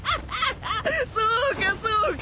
そうかそうか！